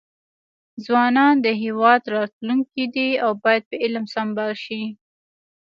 ځوانان د هیواد راتلونکي دي او باید په علم سمبال شي.